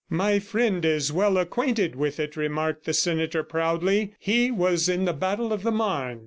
"My friend is well acquainted with it," remarked the senator proudly. "He was in the battle of the Marne."